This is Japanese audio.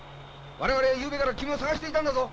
我々ゆうべから君を捜していたんだぞ！